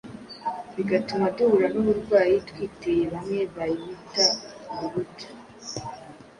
bigatuma duhura n’uburwayi twiteye bamwe bayita urubuto